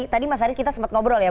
tadi mas haris kita sempat ngobrol ya